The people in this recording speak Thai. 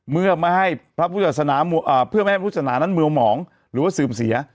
เมื่อมาให้พระพุทธศาสนานั้นเมื่อหมองหรือว่าซึมเสีย